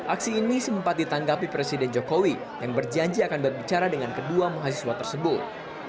aksi ini sempat ditanggapi presiden jokowi yang berjanji akan berbicara dengan kedua mahasiswa tersebut